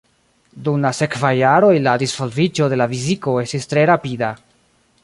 Dum la sekvaj jaroj la disvolviĝo de la fiziko estis tre rapida.